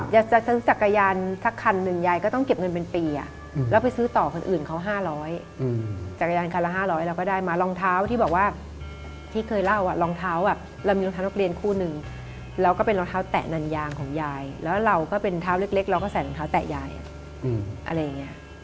จะซื้อจักรยานสักคันหนึ่งยายก็ต้องเก็บเงินเป็นปีแล้วไปซื้อต่อคนอื่นเขา๕๐๐จักรยานคันละ๕๐๐เราก็ได้มารองเท้าที่บอกว่าที่เคยเล่ารองเท้าเรามีรองเท้านักเรียนคู่นึงแล้วก็เป็นรองเท้าแตะนันยางของยายแล้วเราก็เป็นเท้าเล็กเราก็ใส่รองเท้าแตะยายอะไรอย่างนี้